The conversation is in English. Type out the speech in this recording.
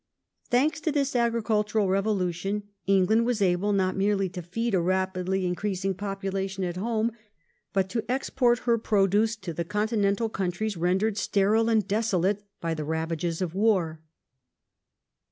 Thanks to this agricultural re volution, England was able not merely to feed a rapidly increasing population at home, but to export her produce to the continental countries rendered sterile and desolate by the ravages of war.